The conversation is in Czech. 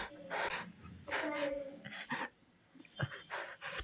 V prvních fázích projektu by měly obsluhovat především oblasti na jihu a severu země.